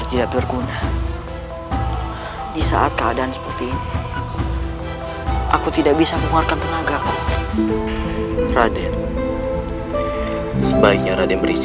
tahu dia sedang menangis